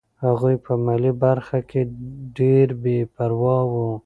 هغوی په مالي برخه کې ډېر بې پروا وو.